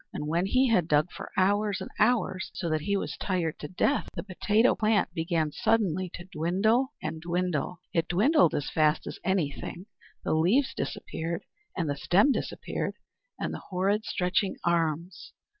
And when he had dug for hours and hours, so that he was tired to death, the potato plant began suddenly to dwindle and dwindle. It dwindled as fast as anything, the leaves disappeared, and the stem disappeared and all the horrid stretching arms.